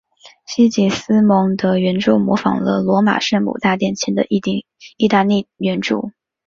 西吉斯蒙德圆柱模仿了罗马圣母大殿前的意大利圆柱。